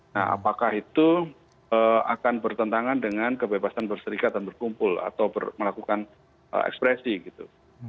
nah apakah itu akan bertentangan dengan kebebasan berserikat dan berkumpul atau melakukan ekspresi gitu